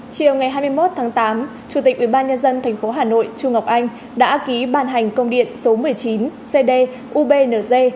chiều ngày hai mươi một tháng tám chủ tịch ubnd tp hcm trung ngọc anh đã ký bàn hành công điện số một mươi chín cd ubnz